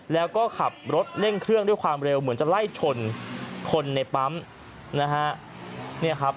แล้วก็ขับรถเร่งเครื่องด้วยความเร็วเหมือนจะไล่ชนคนในปั๊มนะฮะ